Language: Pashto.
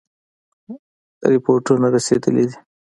رپوټونه رسېدلي دي.